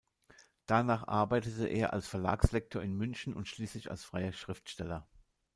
Danach arbeitete er als Verlagslektor in München und schließlich als freier Schriftsteller.